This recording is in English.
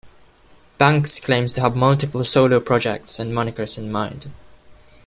Banks claims to have multiple solo projects and monikers in mind.